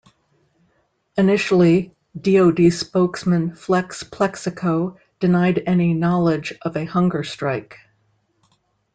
Initially DoD spokesman Flex Plexico denied any knowledge of a hunger strike.